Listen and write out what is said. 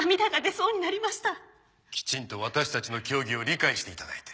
きちんと私たちの教義を理解して頂いて。